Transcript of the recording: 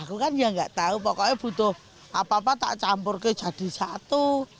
aku kan ya nggak tahu pokoknya butuh apa apa tak campur ke jadi satu